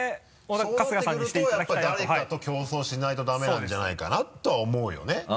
そうなってくるとやっぱり誰かと競争しないとダメなんじゃないかなとは思うよね。